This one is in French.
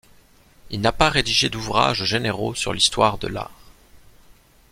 Il n'a pas rédigé d'ouvrages généraux sur l'histoire de l'art.